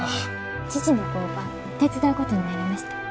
父の工場手伝うことになりました。